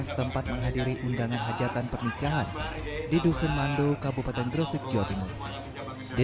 setempat menghadiri undangan hajatan pernikahan di dusun mandu kabupaten gresik jawa timur di